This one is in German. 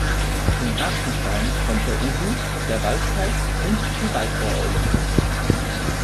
In Hartenstein kommt der Uhu, der Waldkauz und die Waldohreule vor.